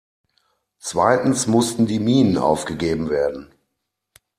Zweitens mussten die Minen aufgegeben werden.